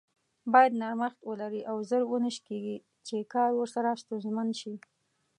بايد نرمښت ولري او زر و نه شکیږي چې کار ورسره ستونزمن شي.